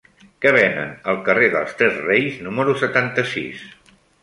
Què venen al carrer dels Tres Reis número setanta-sis?